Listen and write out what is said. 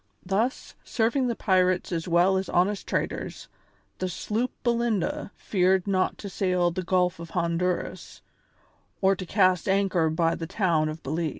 Thus, serving the pirates as well as honest traders, the sloop Belinda feared not to sail the Gulf of Honduras or to cast anchor by the town of Belize.